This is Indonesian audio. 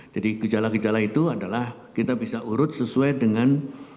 jadi gejala gejala itu adalah kita bisa urut sesuai dengan